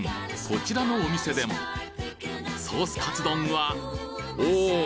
こちらのお店でもソースカツ丼はおおっ！